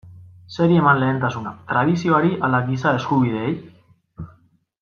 Zeri eman lehentasuna, tradizioari ala giza eskubideei?